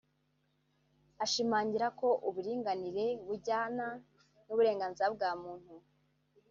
ashimangira ko uburinganire bujyana n’ uburenganzira bwa muntu